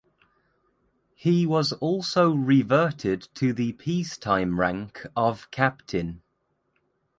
He was also reverted to the peacetime rank of captain.